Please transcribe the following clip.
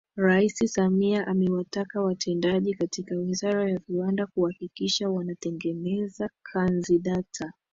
Rais Samia amewataka watendaji katika wizara ya viwanda kuhakikisha wanatengeneza kanzi data